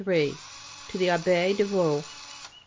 _To the Abbê de Vaux.